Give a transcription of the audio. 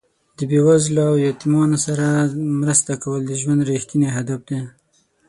د بې وزلو او یتیمانو سره مرسته کول د ژوند رښتیني هدف دی.